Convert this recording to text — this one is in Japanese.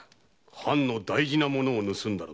藩の大事な物を盗んだ。